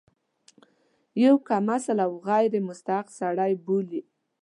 یو کم اصل او غیر مستحق سړی بولي.